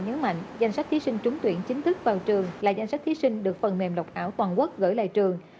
nhấn mạnh danh sách thí sinh trúng tuyển chính thức vào trường là danh sách thí sinh được phần mềm độc ảo toàn quốc gửi lại trường